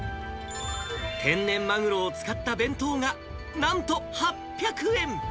天然マグロを使った弁当が、なんと８００円。